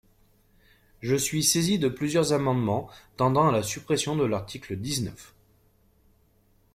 Je suis saisie de plusieurs amendements tendant à la suppression de l’article dix-neuf.